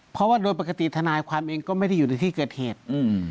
เพราะว่าโดยปกติทนายความเองก็ไม่ได้อยู่ในที่เกิดเหตุ